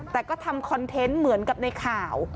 แต่ก็ทำคอนเทนต์เหมือนกับในข่าว